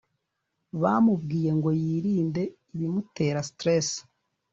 bamubwiye ngo yirinde ibimutera stress